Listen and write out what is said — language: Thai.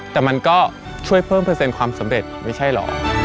แต่มันก็ช่วยเพิ่มเปอร์เซ็นต์ความสำเร็จไม่ใช่เหรอ